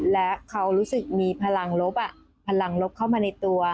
และเขารู้สึกมีพลังลบพลังลบเข้ามาในตัว